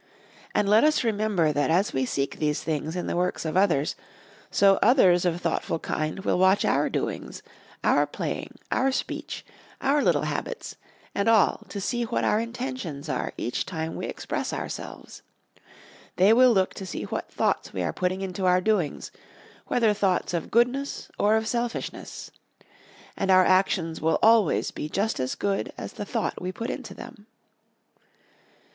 And let us remember that as we seek these things in the works of others, so others of thoughtful kind will watch our doings, our playing, our speech, our little habits, and all to see what our intentions are each time we express ourselves. They will look to see what thoughts we are putting into our doings, whether thoughts of goodness or of selfishness. And our actions will always be just as good as the thought we put into them.